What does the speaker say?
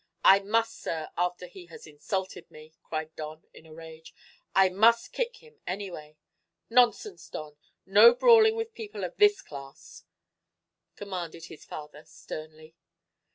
"I must, sir, after he has insulted me," cried Don, in a rage. "I must kick him, anyway." "Nonsense, Don! No brawling with people of this class," commanded his father, sternly.